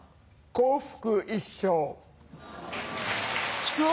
幸福一生。